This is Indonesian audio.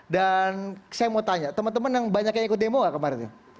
dan saya mau tanya teman teman yang banyak yang ikut demo gak kemarin